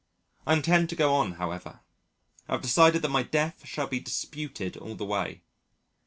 I intend to go on however. I have decided that my death shall be disputed all the way.